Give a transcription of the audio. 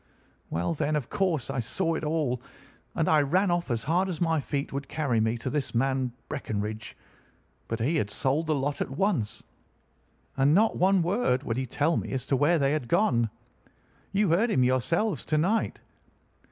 "Well, then, of course I saw it all, and I ran off as hard as my feet would carry me to this man Breckinridge; but he had sold the lot at once, and not one word would he tell me as to where they had gone. You heard him yourselves to night.